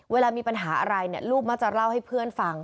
เวลามีปัญหาอะไรเนี่ยลูกมักจะเล่าให้เพื่อนฟัง